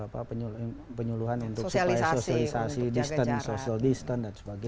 dan penyuluhan untuk socialisasi social distance dan sebagainya